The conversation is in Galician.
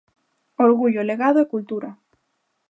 Orgullo, legado e cultura.